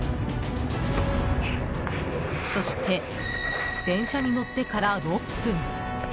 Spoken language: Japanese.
そして電車に乗ってから６分。